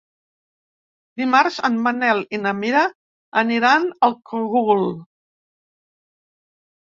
Dimarts en Manel i na Mira aniran al Cogul.